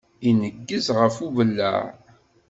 Ineggez ɣef ubellaɛ.